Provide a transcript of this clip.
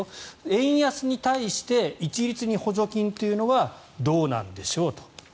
円安に対して一律に補助金というのはどうなんでしょうと。